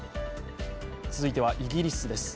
続いてはイギリスです。